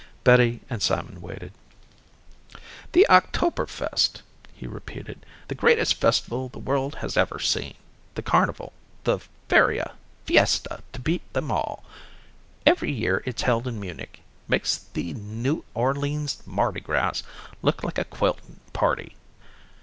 Betty and Simon waited. "The Oktoberfest," he repeated. "The greatest festival the world has ever seen, the carnival, feria, fiesta to beat them all. Every year it's held in Munich. Makes the New Orleans Mardi gras look like a quilting party."